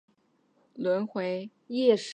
我已经陷入悲哀的轮回